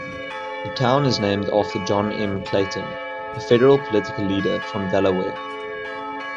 The town is named after John M. Clayton, a federal political leader from Delaware.